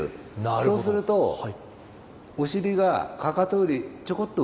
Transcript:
そうするとお尻がかかとよりちょこっと浮くんですよ。